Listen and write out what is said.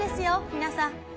皆さん。